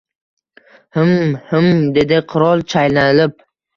— Himm... himm... — dedi qirol chaynalib. -